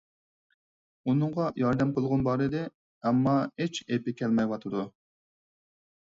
ئۇنىڭغا ياردەم قىلغۇم بار ئىدى، ئەمما ھېچ ئېپى كەلمەيۋاتىدۇ.